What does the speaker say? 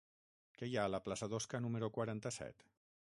Què hi ha a la plaça d'Osca número quaranta-set?